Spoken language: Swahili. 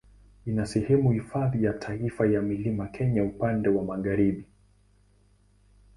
Ina sehemu ya Hifadhi ya Taifa ya Mlima Kenya upande wa magharibi.